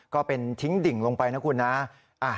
ก็เป็นทิ้งดิ่งลงไปนะคุณนะ